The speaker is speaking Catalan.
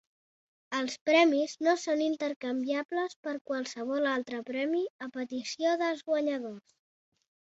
Els premis no són intercanviables per qualsevol altre premi a petició dels guanyadors.